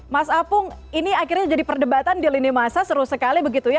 mas apung ini akhirnya jadi perdebatan di lini masa seru sekali begitu ya